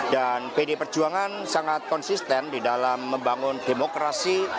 dan pdi perjuangan sangat konsisten di dalam membangun demokrasi